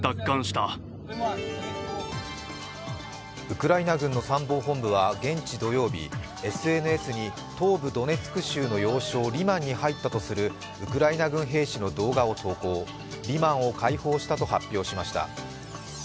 ウクライナ軍の参謀本部は現地土曜日ＳＮＳに、東部ドネツク州の要衝リマンに入ったとするウクライナ軍兵士の動画を投稿、リマンを解放したと発表しました。